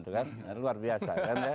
itu kan luar biasa